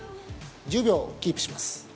１０秒キープします。